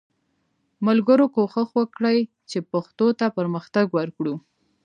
ملګرو کوښښ وکړئ چې پښتو ته پرمختګ ورکړو